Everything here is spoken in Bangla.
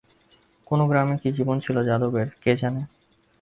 কোন গ্রামে কী জীবন ছিল যাদবের কে জানে?